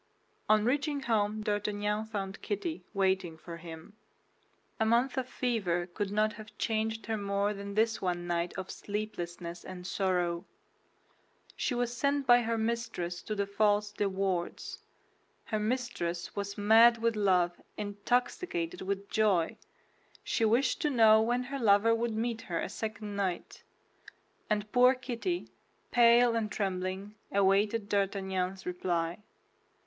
On reaching home D'Artagnan found Kitty waiting for him. A month of fever could not have changed her more than this one night of sleeplessness and sorrow. She was sent by her mistress to the false De Wardes. Her mistress was mad with love, intoxicated with joy. She wished to know when her lover would meet her a second night; and poor Kitty, pale and trembling, awaited D'Artagnan's reply.